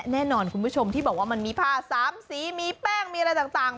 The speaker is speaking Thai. แน่นอนคุณผู้ชมที่บอกว่ามันมีผ้า๓สีมีแป้งมีอะไรต่าง